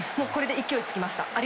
これで勢いつきました。